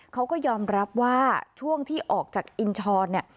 เขาก็ยอมรับว่าช่วงที่ออกจากอินชรเนี่ย